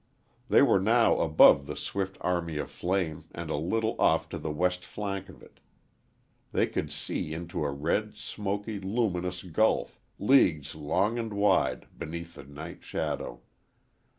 They were now above the swift army of flame and a little off the west flank of it. They could see into a red, smoky, luminous gulf, leagues long and wide, beneath the night shadow.